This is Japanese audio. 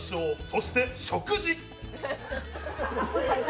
そして食事。